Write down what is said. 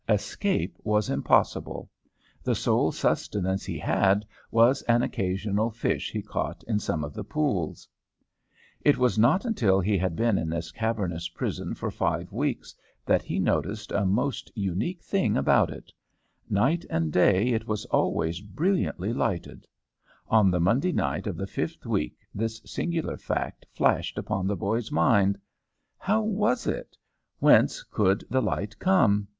Escape was impossible. The sole sustenance he had was an occasional fish he caught in some of the pools. [Illustration: "THE LITTLE FELLOW MUSED OFT AND LONG THEREON"] "It was not until he had been in this cavernous prison for five weeks that he noticed a most unique thing about it. Night and day it was always brilliantly lighted! On the Monday night of the fifth week this singular fact flashed upon the boy's mind. How was it? Whence could the light come?